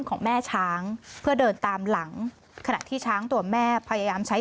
ของแม่ช้างเพื่อเดินตามหลังขณะที่ช้างตัวแม่พยายามใช้